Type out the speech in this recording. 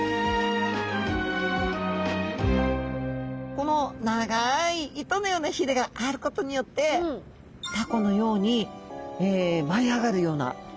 この長い糸のようなひれがあることによってたこのように舞い上がるような。